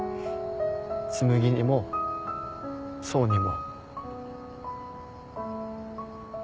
紬にも想にも。